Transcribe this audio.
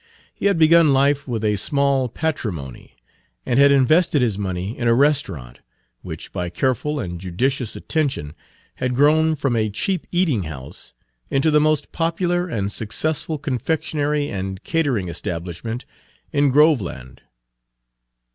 He had begun life with a small patrimony, and had invested his money in a restaurant, which by careful Page 97 and judicious attention had grown from a cheap eating house into the most popular and successful confectionery and catering establishment in Groveland.